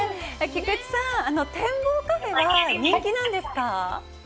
菊地さん、展望カフェは人気なんですか？